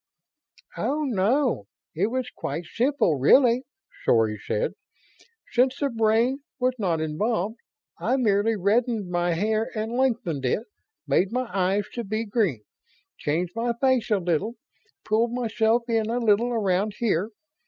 "Oh, no. It was quite simple, really," Sory said, "since the brain was not involved. I merely reddened my hair and lengthened it, made my eyes to be green, changed my face a little, pulled myself in a little around here...."